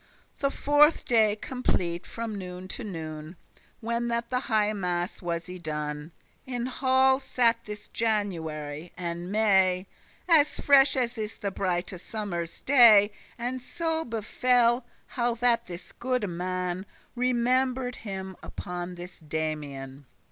The fourthe day complete from noon to noon, When that the highe masse was y done, In halle sat this January, and May, As fresh as is the brighte summer's day. And so befell, how that this goode man Remember'd him upon this Damian.